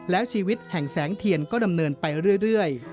แล้วชีวิตแห่งแสงเทียนก็ดำเนินไปเรื่อย